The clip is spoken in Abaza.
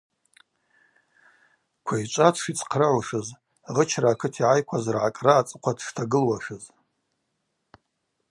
Квайчӏва дшицхърыгӏушыз, гъычра акыт йгӏайкваз ргӏакӏра ацӏыхъва дштагылуашыз.